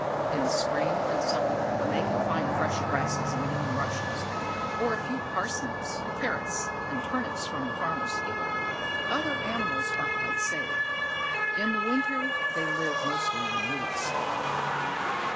In spring and summer, when they can find fresh grasses and young rushes, or a few parsnips, carrots, and turnips from the farmers' fields, other animals are quite safe. In the winter they live mostly on roots.